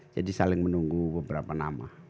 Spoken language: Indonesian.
jadi saling menunggu beberapa nama